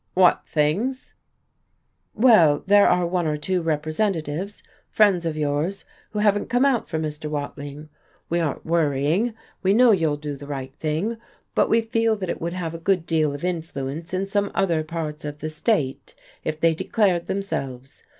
"What things?" "Well there are one or two representatives, friends of yours, who haven't come out for Mr. Watling. We aren't worrying, we know you'll do the right thing, but we feel that it would have a good deal of influence in some other parts of the state if they declared themselves.